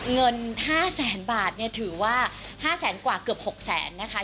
เงิน๕แสนบาทเนี่ยถือว่า๕แสนกว่าเกือบ๖แสนนะคะ